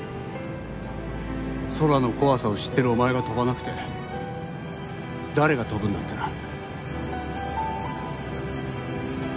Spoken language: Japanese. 「空の怖さを知ってるお前が飛ばなくて誰が飛ぶんだ」ってな。